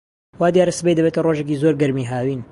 وا دیارە سبەی دەبێتە ڕۆژێکی زۆر گەرمی هاوین.